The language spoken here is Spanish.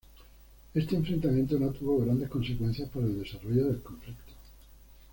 Este enfrentamiento no tuvo grandes consecuencias para el desarrollo del conflicto.